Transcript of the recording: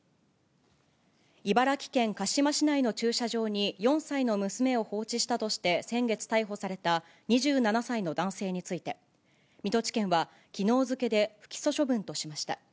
茨城県鹿嶋市内の駐車場に４歳の娘を放置したとして先月逮捕された２７歳の男性について、水戸地検はきのう付けで不起訴処分としました。